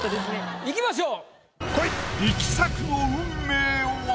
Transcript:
いきましょう。